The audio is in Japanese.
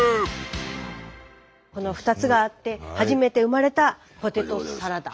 この２つがあって初めて生まれたポテトサラダ。